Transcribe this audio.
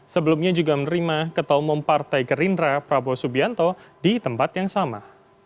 sebelumnya juga menerima ketua umum partai gerindra prabowo subianto di tempat yang sama